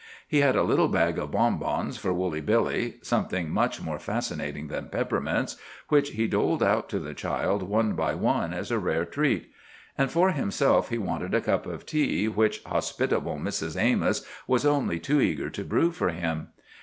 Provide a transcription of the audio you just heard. He had a little bag of bon bons for Woolly Billy—something much more fascinating than peppermints—which he doled out to the child one by one, as a rare treat. And for himself he wanted a cup of tea, which hospitable Mrs. Amos was only too eager to brew for him.